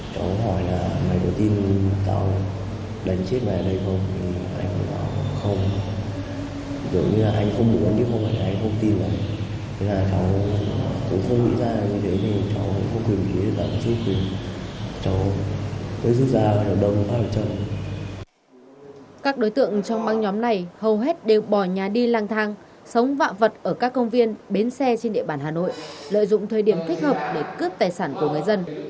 các đối tượng trong băng nhóm này hầu hết đều bỏ nhà đi lang thang sống vạ vật ở các công viên bến xe trên địa bàn hà nội lợi dụng thời điểm thích hợp để cướp tài sản của người dân